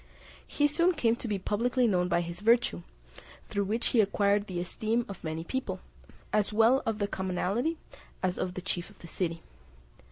He soon came to be publicly known by his virtue, through which he acquired the esteem of many people, as well of the commonalty as of the chief of the city.